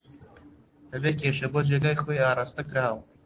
بەبێ کێشە بۆ جێگای خۆی ئاراستەکراوە